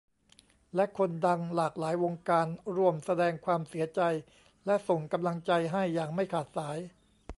และคนดังหลากหลายวงการร่วมแสดงความเสียใจและส่งกำลังใจให้อย่างไม่ขาดสาย